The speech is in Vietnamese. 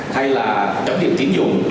hay là cấm điểm tiến dụng